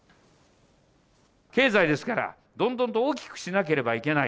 経済ですから、どんどんと大きくしなければいけない。